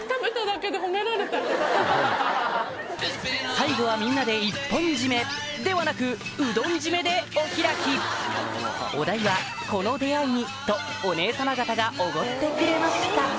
最後はみんなで一本締めではなくうどん締めでお開きお代はこの出会いにとお姉さま方がおごってくれました